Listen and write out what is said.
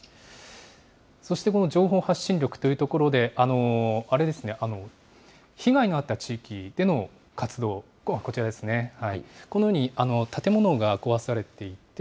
そしてこの情報発信力というところで、あれですね、被害のあった地域での活動、こちらですね、このように建物が壊されていて、